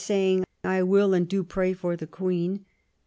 saying :" I will and do pray for the Queen